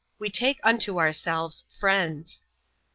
We take unto ourselves Friends.